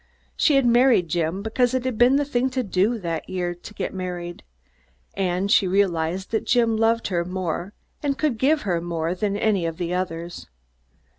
She had married Jim, because it had been the thing to do that year, to get married; and she realized that Jim loved her more and could give her more than any of the others.